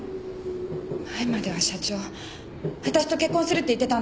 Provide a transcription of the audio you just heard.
前までは社長私と結婚するって言ってたんです。